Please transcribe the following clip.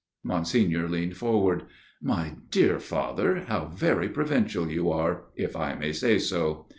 Monsignor leaned forward. " My dear Father, how very provincial you are if I may say so